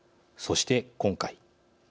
そして今回。